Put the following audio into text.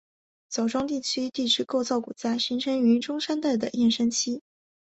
枣庄地区地质构造骨架形成于中生代的燕山期。